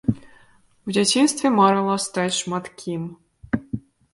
У дзяцінстве марыла стаць шмат кім.